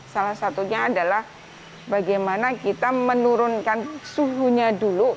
salah satunya adalah bagaimana kita menurunkan suhunya dulu